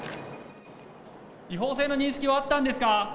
違法性の認識はあったんですか？